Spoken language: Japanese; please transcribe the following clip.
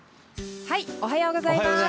おはようございます。